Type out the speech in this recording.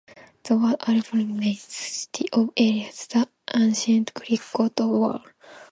The word "Areopoli" means "city of Ares", the ancient Greek god of war.